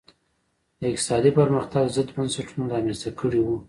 د اقتصادي پرمختګ ضد بنسټونه رامنځته کړي وو.